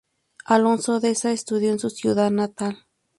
Alonso Deza estudió en su ciudad natal.